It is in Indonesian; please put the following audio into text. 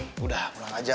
sudahlah pulang aja